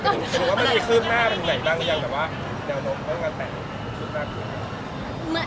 เป็นความรู้สึกได้หรือ